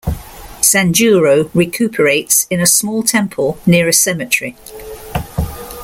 Sanjuro recuperates in a small temple near a cemetery.